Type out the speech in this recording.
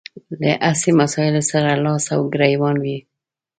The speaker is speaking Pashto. له هسې مسايلو سره لاس او ګرېوان وي.